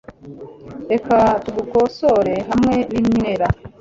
Reka tugukosore hamwe ninywera.